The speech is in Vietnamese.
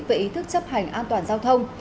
về ý thức chấp hành an toàn giao thông